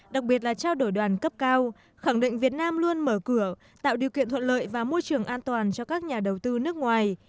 đặc biệt là trao đổi đoàn cấp cao khẳng định việt nam luôn mở cửa tạo điều kiện thuận lợi và môi trường an toàn cho các nhà đầu tư nước ngoài